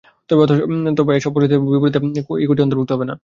তবে এসব প্রতিষ্ঠানের মূলধনের বিপরীতে ধারণ করা ইক্যুইটি অন্তর্ভুক্ত হবে না।